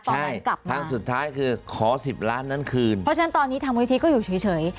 ใช่ทางสุดท้ายคือขอ๑๐ล้านนั้นคืนเพราะฉะนั้นตอนนี้ทางมูลิธิก็อยู่เฉย